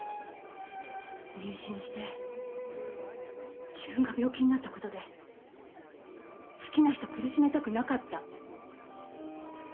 妊娠して自分が病気になったことで好きな人苦しめたくなかった。